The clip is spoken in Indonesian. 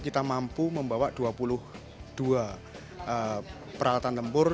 kita mampu membawa dua puluh dua peralatan tempur